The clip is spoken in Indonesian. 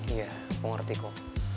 iya aku ngerti kok